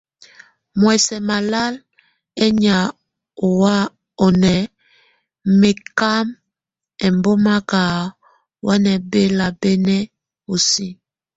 Muɔsɛ́ malal eŋan onɛ, mɛ nákan embɔ́mak wamɛ́ bɛlabɛnɛ usi.